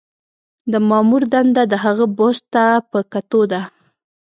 د مامور دنده د هغه بست ته په کتو ده.